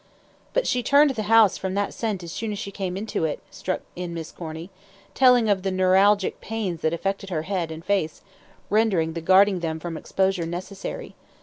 "But she turned the house from that scent as soon as she came into it," struck in Miss Corny, "telling of the 'neuralgic pains' that affected her head and face, rendering the guarding them from exposure necessary.